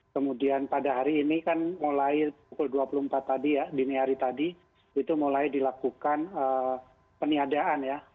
kemudian pada hari ini kan mulai pukul dua puluh empat tadi ya dini hari tadi itu mulai dilakukan peniadaan ya